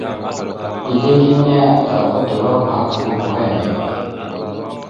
Dideŋ geme odolabáaha gaŋa boho emey ?